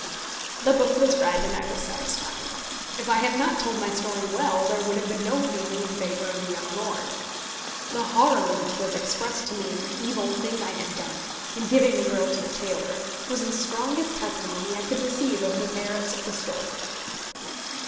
The book was read, and I was satisfied. If I had not told my story well, there would have been no feeling in favour of the young lord. The horror which was expressed to me at the evil thing I had done, in giving the girl to the tailor, was the strongest testimony I could receive of the merits of the story.